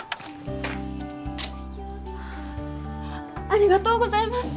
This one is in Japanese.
ありがとうございます！